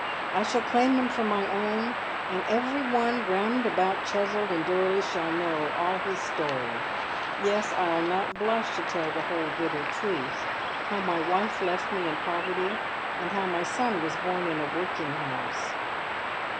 I shall claim him for my own, and every one round and about Cheswold and Dorley shall know all his story. Yes, I will not blush to tell the whole bitter truth. How my wife left me in poveity, and how my son was born in a workhouse."